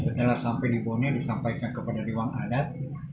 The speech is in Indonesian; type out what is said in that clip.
setelah sampai di bone disampaikan kepada dewan adat